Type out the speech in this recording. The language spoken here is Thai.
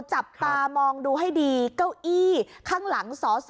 จับตามองดูให้ดีเก้าอี้ข้างหลังสอสอ